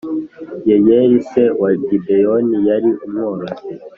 Yeyeli se wa Gibeyonij yari umworozi